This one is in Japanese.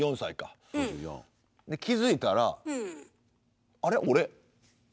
気付いたらあれ？